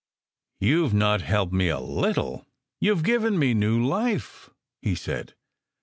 "You ve not helped me a * little ; you ve given me new life," he said.